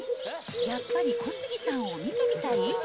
やっぱり小杉さんを見てみたい？